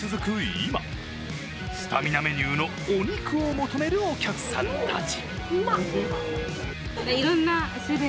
今、スタミナメニューのお肉を求めるお客さんたち。